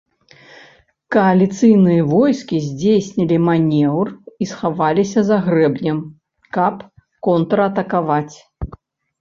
Кааліцыйныя войскі здзейснілі манеўр і схаваліся за грэбнем, каб контратакаваць.